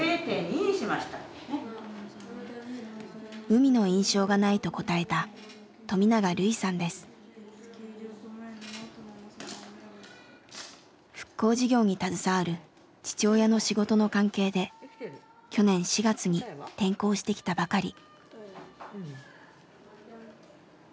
海の印象がないと答えた復興事業に携わる父親の仕事の関係で去年４月に転校してきたばかり。